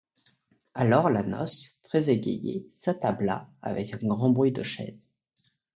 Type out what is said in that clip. Alors, la noce, très égayée, s'attabla avec un grand bruit de chaises.